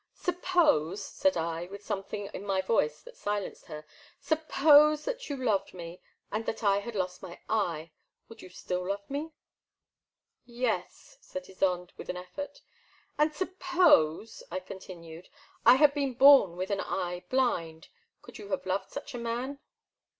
Suppose, said I, with something in my voice that silenced her, suppose that you loved me, and that I had lost my eye. Would you still love me? '* Yes, said Ysonde, with an eflFort. And suppose, I continued, I had been born with an eye blind ; could you have loved such a man?